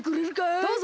どうぞ！